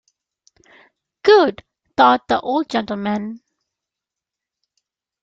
"Good," thought the old gentleman.